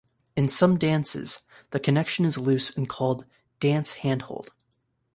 In some dances the connection is loose and called dance handhold.